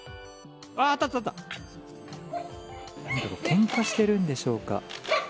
ケンカしているんでしょうか。